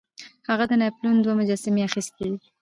هغه د ناپلیون دوه مجسمې اخیستې وې.